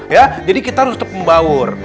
ya jadi kita harus tetap membawur